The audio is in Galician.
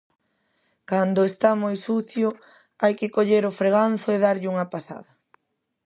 Cando está moi sucio hai que coller o freganzo e darlle unha pasada